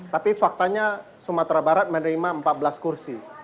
tapi faktanya sumatera barat menerima empat belas kursi